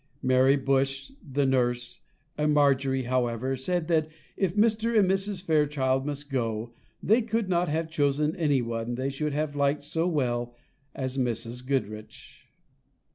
Mary Bush, and nurse, and Margery, however, said that if Mr. and Mrs. Fairchild must go, they could not have chosen anyone they should have liked so well as Mrs. Goodriche.